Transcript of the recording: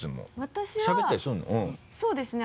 私はそうですね。